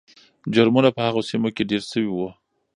جرمونه په هغو سیمو کې ډېر شوي وو.